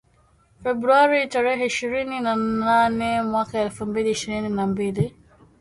Februari tarehe ishirini na nane mwaka elfu mbili ishirini na mbili.